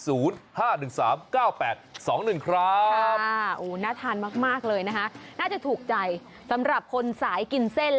โอ้โหน่าทานมากเลยนะคะน่าจะถูกใจสำหรับคนสายกินเส้น